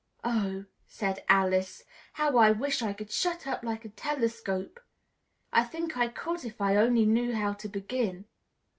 "Oh," said Alice, "how I wish I could shut up like a telescope! I think I could, if I only knew how to begin."